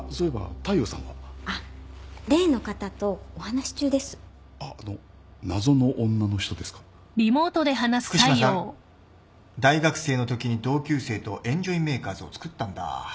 福島さん大学生のときに同級生とエンジョイメーカーズをつくったんだ。